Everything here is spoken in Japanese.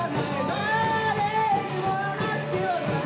「誰にも話す気はない？